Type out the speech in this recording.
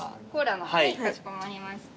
はいかしこまりました。